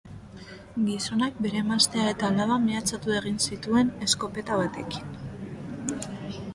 Gizonak bere emaztea eta alaba mehatxatu egin zituen eskopeta batekin.